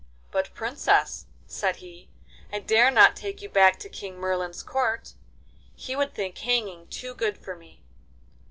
'But, Princess,' said he, 'I dare not take you back to King Merlin's court. He would think hanging too good for me.